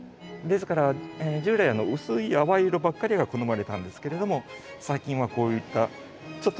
ですから従来薄い淡い色ばっかりが好まれたんですけれども最近はこういったちょっとした冒険した色。